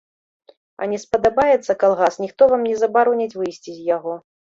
А не спадабаецца калгас, ніхто вам не забароніць выйсці з яго.